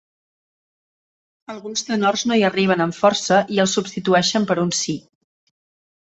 Alguns tenors no hi arriben amb força i el substitueixen per un si.